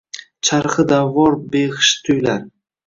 Charxi davvor behisht tuyilar